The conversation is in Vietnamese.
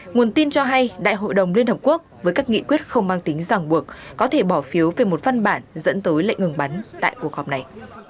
nguồn tin cho hay đại hội đồng liên hợp quốc với các nghị quyết không mang tính giảng buộc có thể bỏ phiếu về một văn bản dẫn tới lệnh ngừng bắn tại cuộc họp này